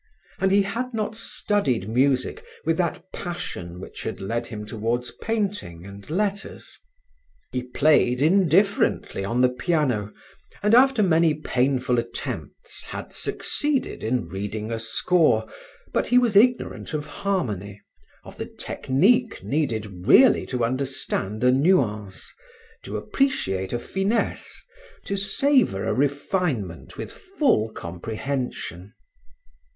And he had not studied music with that passion which had led him towards painting and letters. He played indifferently on the piano and after many painful attempts had succeeded in reading a score, but he was ignorant of harmony, of the technique needed really to understand a nuance, to appreciate a finesse, to savor a refinement with full comprehension.